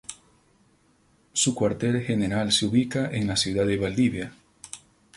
Su cuartel general se ubica en la ciudad de Valdivia.